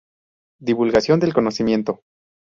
Divulgación del conocimiento.